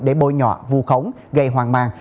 để bôi nhọ vu khống gây hoàng mang